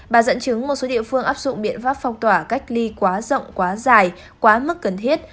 bà dẫn chứng một số địa phương áp dụng biện pháp phong tỏa cách ly quá rộng quá dài quá mức cần thiết